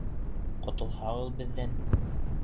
Ҡотолаһығыҙ беҙҙән!